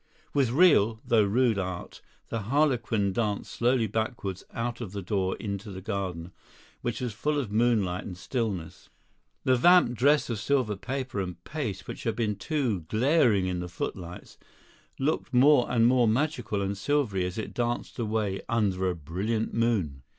With real though rude art, the harlequin danced slowly backwards out of the door into the garden, which was full of moonlight and stillness. The vamped dress of silver paper and paste, which had been too glaring in the footlights, looked more and more magical and silvery as it danced away under a brilliant moon.